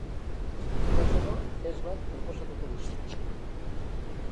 Bukatzeko, test bat proposatuko dizut.